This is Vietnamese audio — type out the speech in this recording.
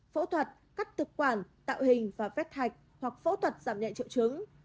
phẫu thuật cắt thực quản tạo hình và vết thạch hoặc phẫu thuật giảm nhẹ triệu chứng